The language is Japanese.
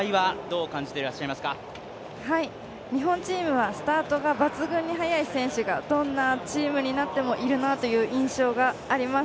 日本チームはスタートに抜群に速い選手がどんなチームになってもいるなと感じています。